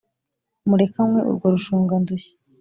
mureke anywe urwo rushungandushyi,